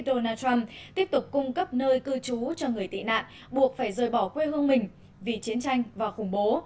donald trump tiếp tục cung cấp nơi cư trú cho người tị nạn buộc phải rời bỏ quê hương mình vì chiến tranh và khủng bố